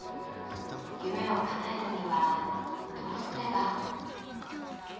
夢をかなえるにはどうすれば？